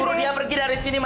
baru dia pergi dari sini